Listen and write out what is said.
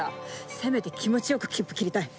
せめて気持ちよく切符切りたい。